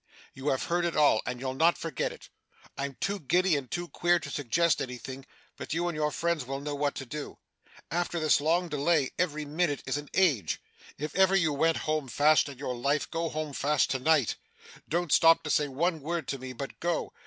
'You have heard it all, and you'll not forget it. I'm too giddy and too queer to suggest anything; but you and your friends will know what to do. After this long delay, every minute is an age. If ever you went home fast in your life, go home fast to night. Don't stop to say one word to me, but go.